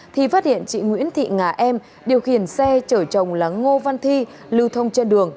thì phát hiện chị nguyễn thị ngà em điều khiển xe chở chồng là ngô văn thi lưu thông trên đường